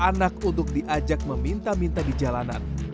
saya bertemu dengan seorang anak untuk diajak meminta minta di jalanan